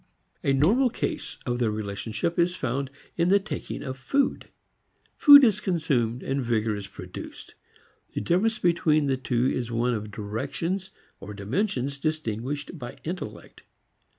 A normal case of their relationship is found in the taking of food. Food is consumed and vigor is produced. The difference between the two is one of directions or dimensions distinguished by intellect.